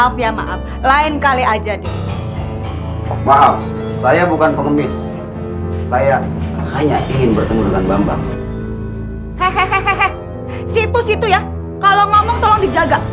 sampai jumpa di video selanjutnya